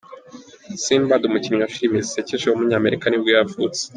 Sinbad, umukinnyi wa filime zisekeje w’umunyamerika nibwo yavutse.